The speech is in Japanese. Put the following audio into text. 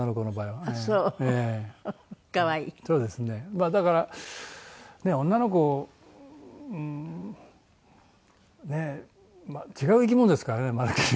まあだから女の子ねえ違う生き物ですからねまるっきりね。